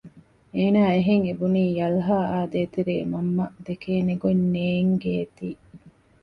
އޭނަ އެހެން އެބުނީ ޔަލްހާއާއ ދޭތެރޭ މަންމަ ދެކޭނެ ގޮތް ނޭންގޭތީ